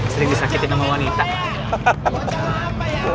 sering disakitin sama wanita